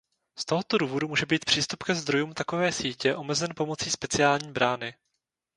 Z tohoto důvodu může být přístup ke zdrojům takové sítě omezen pomocí speciální brány.